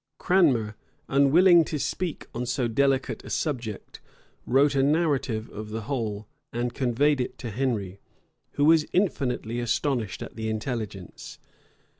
Cranmer, unwilling to speak on so delicate a subject, wrote a narrative of the whole, and conveyed it to Henry, who was infinitely astonished at the intelligence.